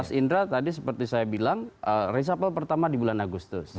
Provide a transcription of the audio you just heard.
mas indra tadi seperti saya bilang reshuffle pertama di bulan agustus